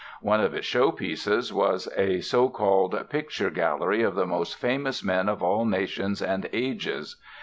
One of its showpieces was a so called "Picture Gallery of the Most Famous Men of all Nations and Ages".